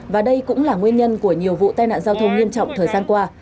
và đây cũng là nguyên nhân của nhiều vụ tai nạn giao thông nghiêm trọng thời gian qua